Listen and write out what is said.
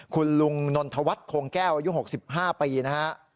คุณลุงนนทวัฒน์โคงแก้วอายุ๖๕ปีนะฮะ